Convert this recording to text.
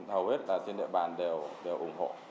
hầu hết trên địa bàn đều ủng hộ